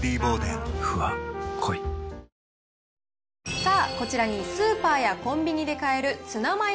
さあ、こちらにスーパーやコンビニで買えるツナマヨ